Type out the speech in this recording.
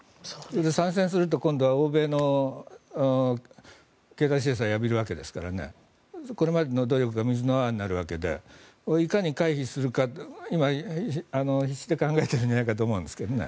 参戦すると今度は欧米の経済制裁を浴びるわけですからこれまでの努力が水の泡になるわけでいかに回避するか今、必死で考えてるんじゃないかと思いますね。